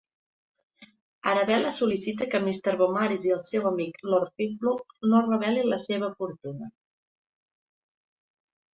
Arabella sol·licita que Mr. Beaumaris i el seu amic, Lord Fleetwood no revelin la seva fortuna.